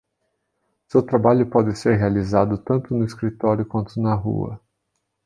Seu trabalho pode ser realizado tanto no escritório quanto na rua.